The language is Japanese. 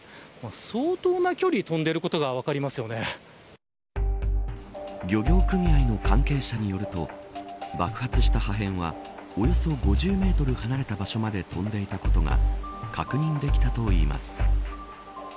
相当な距離、飛んでいることが漁業組合の関係者によると爆発した破片はおよそ５０メートル離れた場所まで飛んでいたことが確認できたといいます。